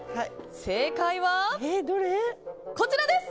正解は、こちらです。